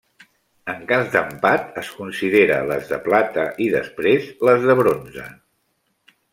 En cas d'empat es considera les de plata i després les de bronze.